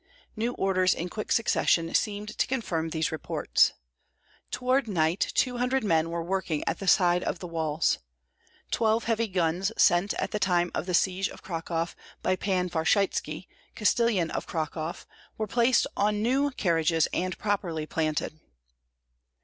New orders in quick succession seemed to confirm these reports. Toward night two hundred men were working at the side of the walls. Twelve heavy guns sent at the time of the siege of Cracow by Pan Varshytski, castellan of Cracow, were placed on new carriages and properly planted.